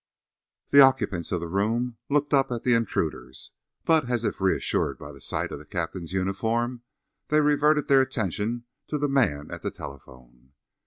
The occupants of the room looked up at the intruders; but, as if reassured by the sight of the captain's uniform, they reverted their attention to the man at the telephone.